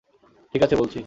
ঠিক আছে বলছি।